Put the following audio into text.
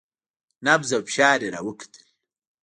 نبض او فشار يې راوکتل.